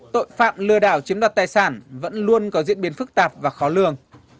tội phạm lừa đảo chiếm đoạt tài sản vẫn luôn có diễn biến phức tạp và khó lường